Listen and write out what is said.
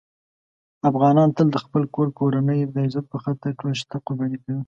افغانان تل د خپل کور کورنۍ د عزت په خاطر ټول شته قرباني کوي.